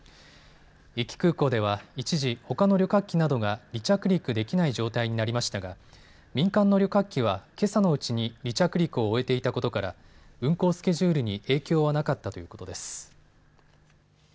壱岐空港では一時ほかの旅客機などが離着陸できない状態になりましたが民間の旅客機は、けさのうちに離着陸を終えていたことから運航スケジュールに影響はなかったということです。